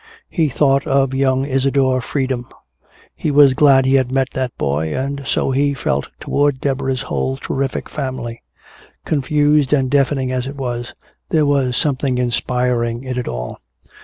He thought of young Isadore Freedom. He was glad he had met that boy, and so he felt toward Deborah's whole terrific family. Confused and deafening as it was, there was something inspiring in it all.